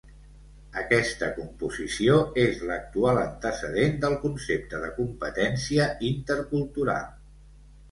Aquesta composició és l'actual antecedent del concepte de competència intercultural.